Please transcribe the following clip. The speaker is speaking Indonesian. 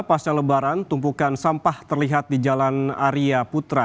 pasca lebaran tumpukan sampah terlihat di jalan arya putra